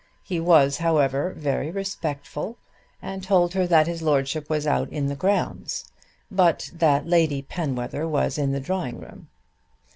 He was, however, very respectful and told her that his lordship was out in the grounds; but that Lady Penwether was in the drawing room.